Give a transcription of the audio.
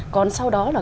còn sau đó là